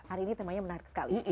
hari ini temanya menarik sekali